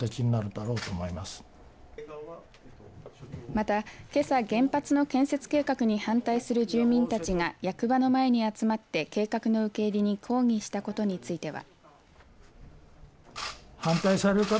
また、けさ原発の建設計画に反対する住民たちが役場の前に集まって計画の受け入れに抗議したことについては。